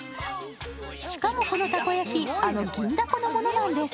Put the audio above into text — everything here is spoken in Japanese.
しかもこのたこ焼き、あの銀だこのものなんです。